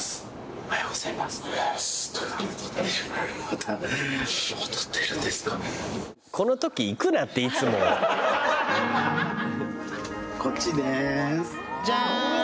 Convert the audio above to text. おはようございますこっちでーすじゃーん！